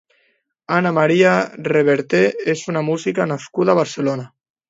Anna Maria Reverté és una música nascuda a Barcelona.